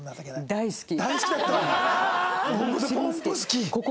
大好き。